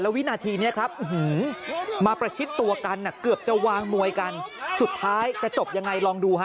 วินาทีนี้ครับมาประชิดตัวกันเกือบจะวางมวยกันสุดท้ายจะจบยังไงลองดูฮะ